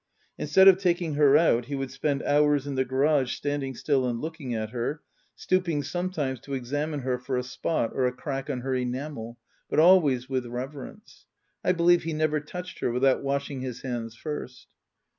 Instead of taking her out he would spend hours in the garage standing still and looking at her, stooping sometimes to examine her for a spot or a crack on her enamel, but always with reverence. I believe he never touched her without washing his hands first.